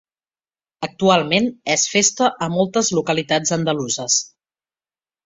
Actualment és festa a moltes localitats andaluses.